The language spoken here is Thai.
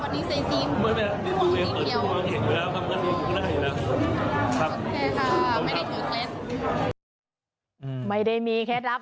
นั่นแต่ครับไม่ได้มีไม่ได้ดูเลยนะครับ